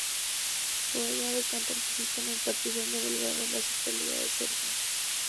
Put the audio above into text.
Juega de centrocampista en el Partizán de Belgrado de la Superliga de Serbia.